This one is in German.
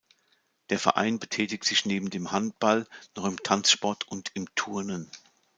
Der Verein betätigt sich neben dem Handball noch im Tanzsport und im Turnen.